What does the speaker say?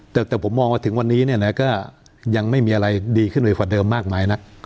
แต่ผมมองว่าถึงวันนี้เนี่ยนะก็ยังไม่มีอะไรดีขึ้นไปกว่าเดิมมากมายนัก